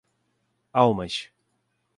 Almas